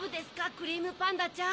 クリームパンダちゃん。